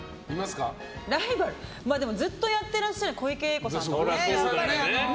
でもずっとやってらっしゃる小池栄子さんとかね。